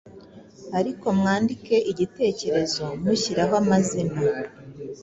ariko mwandike igitekerezo mushyiraho amazina